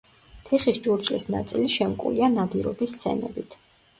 თიხის ჭურჭლის ნაწილი შემკულია ნადირობის სცენებით.